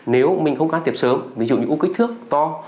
nếu mình không can thiệp sớm ví dụ như u kích thước to